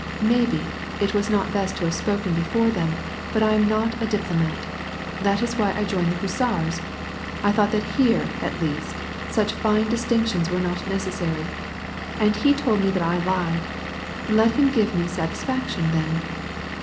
Maybe, it was not best to have spoken before them, but I am not a diplomat. That's why I joined the Hus sars ; 1 thought that here, at least, such fine distinctions were not necessary, and he told me that I lied : let him give me sat isfaction, then."